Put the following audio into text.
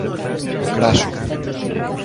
O Craso.